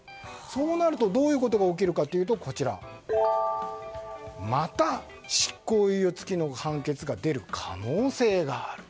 そうなるとどういうことが起きるかというとまた執行猶予付きの判決が出る可能性がある。